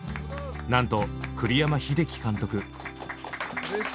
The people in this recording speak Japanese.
なんと栗山英樹監督。